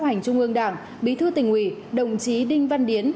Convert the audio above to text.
chấp hành trung ương đảng bí thư tỉnh ủy đồng chí đinh văn điến